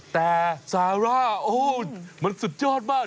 แต่ซาร่าโอ้มันสุดยอดมาก